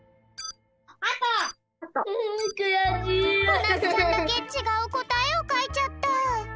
こなつちゃんだけちがうこたえをかいちゃった。